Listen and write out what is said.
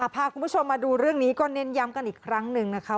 พาคุณผู้ชมมาดูเรื่องนี้ก็เน้นย้ำกันอีกครั้งหนึ่งนะคะ